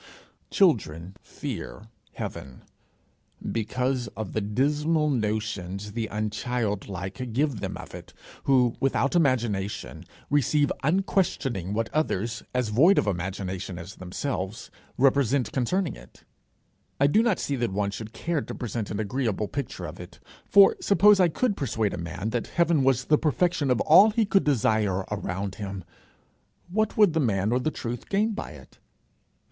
Children fear heaven, because of the dismal notions the unchildlike give them of it, who, without imagination, receive unquestioning what others, as void of imagination as themselves, represent concerning it. I do not see that one should care to present an agreeable picture of it; for, suppose I could persuade a man that heaven was the perfection of all he could desire around him, what would the man or the truth gain by it?